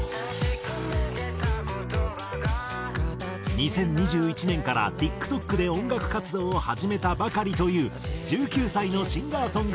２０２１年からＴｉｋＴｏｋで音楽活動を始めたばかりという１９歳のシンガーソングライター。